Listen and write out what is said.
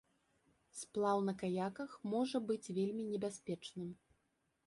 Сплаў на каяках можа быць вельмі небяспечным.